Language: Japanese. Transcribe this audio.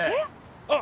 あっ！